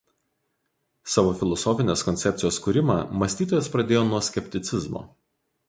Savo filosofinės koncepcijos kūrimą mąstytojas pradėjo nuo skepticizmo.